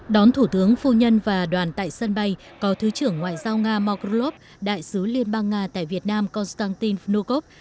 đón thủ tướng phu nhân và đoàn tại sân bay có thứ trưởng ngoại giao nga mark rulov đại sứ liên bang nga tại việt nam konstantin vnukov